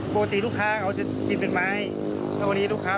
ปกติลูกค้าเขาจะกินเป็นไม้แล้ววันนี้ลูกค้า